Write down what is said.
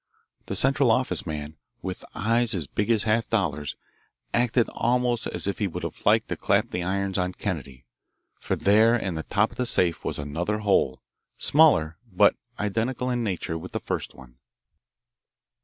The Central Office man, with eyes as big as half dollars, acted almost as if he would have liked to clap the irons on Kennedy. For there in the top of the safe was another hole, smaller but identical in nature with the first one.